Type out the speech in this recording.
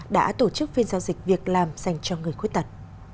đã tổ chức phiên giao dịch việc làm dành cho người khuyết tật